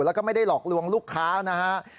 แล้วก็ไม่ได้หลอกลวงลูกค้านะฮะ